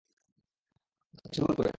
মাছ আপনার চারপাশে ঘুরঘুর করবে।